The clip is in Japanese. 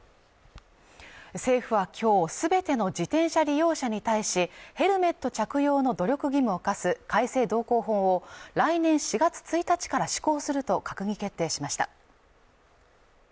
政府はきょうすべての自転車利用者に対しヘルメット着用の努力義務を課す改正道交法を来年４月１日から施行すると閣議決定しました